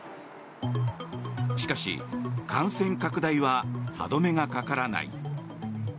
しかし、感染拡大は歯止めがかからない。